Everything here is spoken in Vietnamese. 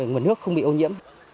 nguồn nước không bị ô nhiễm